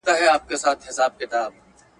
آزاد تشبثات په هغه وخت کي ډېر وو.